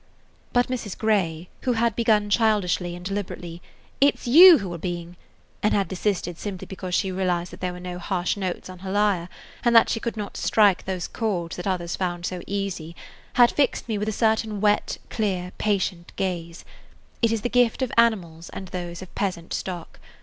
But Mrs. Grey, who had begun childishly and deliberately. "It 's you who are being–" and had desisted simply because she realized that there were no harsh [Page 27] notes on her lyre, and that she could not strike these chords that others found so easy, had fixed me with a certain wet, clear, patient gaze. It is the gift of animals and those of peasant stock.